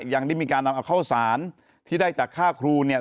ยังได้มีการเอาข้าวศาลที่ได้จากค่าครู